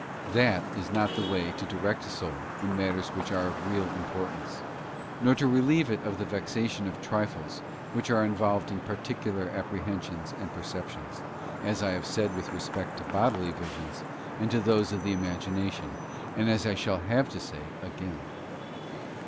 That is not the way to direct a soul in matters which are of real importance, nor to relieve it of the vexation of trifles which are involved in particular apprehensions and perceptions, as I have said with respect to bodily visions and to those of the imagina tion, and as I shall have to say again.